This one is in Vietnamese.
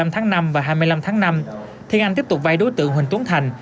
một mươi năm tháng năm và hai mươi năm tháng năm thiên anh tiếp tục vây đối tượng huỳnh tuấn thành